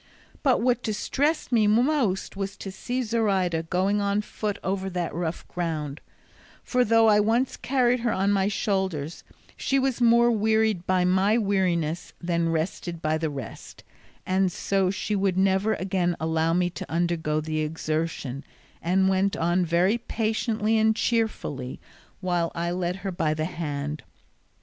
But what distressed me most was to see Zoraida going on foot over that rough ground; for though I once carried her on my shoulders, she was more wearied by my weariness than rested by the rest; and so she would never again allow me to undergo the exertion, and went on very patiently and cheerfully, while I led her by the hand.